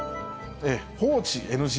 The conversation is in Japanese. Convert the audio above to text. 放置ＮＧ。